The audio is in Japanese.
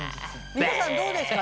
皆さんどうですか？